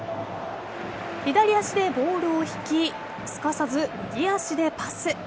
左足でボールを引きすかさず右足でパス。